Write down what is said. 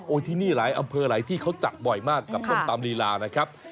ที่นี่หลายอำเภอหลายที่เขาจัดบ่อยมากกับส้มตำลีลานะครับ